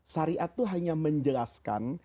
syariat itu hanya menjelaskan